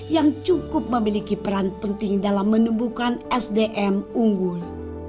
yang cukup memiliki peran penting dalam menumbuhkan sdm unggul